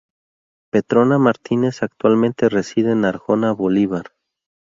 Petrona Martínez actualmente reside en Arjona, Bolívar.